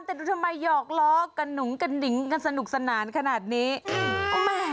แต่หนูทำไมหยอกเล้อกันหนูกันหลิงกันสนุกสนาญขนาดนี้